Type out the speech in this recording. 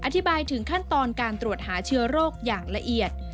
อธิบายถึงขั้นตอนการตรวจหาเชื้อโรคอย่างละเอียด